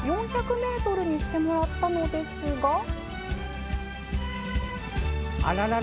４００ｍにしてもらったのですが。